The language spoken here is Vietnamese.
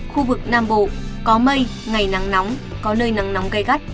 khu vực nam bộ có mây ngày nắng nóng có nơi nắng nóng cay cắt